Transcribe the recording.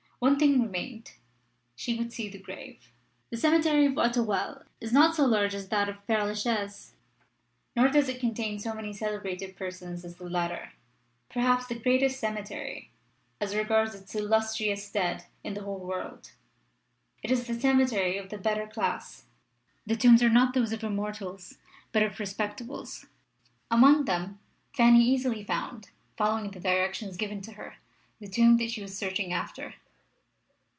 One thing remained. She would see the grave. The cemetery of Auteuil is not so large as that of Pere la Chaise, nor does it contain so many celebrated persons as the latter perhaps the greatest cemetery, as regards its illustrious dead, in the whole world. It is the cemetery of the better class. The tombs are not those of Immortals but of Respectables. Among them Fanny easily found, following the directions given to her, the tomb she was searching after.